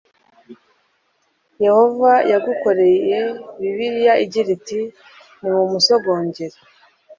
yehova yagukoreye bibiliya igira iti nimusogongere